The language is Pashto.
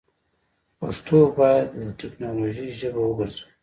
پښتو باید دټیکنالوژۍ ژبه وګرځوو.